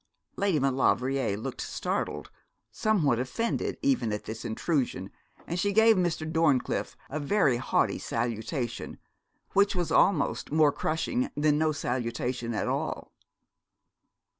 Lady Maulevrier looked startled, somewhat offended even at this intrusion, and she gave Mr. Dorncliffe a very haughty salutation, which was almost more crushing than no salutation at all.